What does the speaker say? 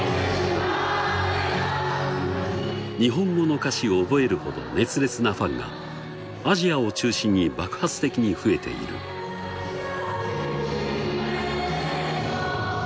日本語の歌詞を覚えるほど熱烈なファンがアジアを中心に爆発的に増えている「抱きしめてよ」